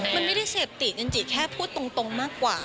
มันไม่ได้เสพติจริงจิแค่พูดตรงมากกว่า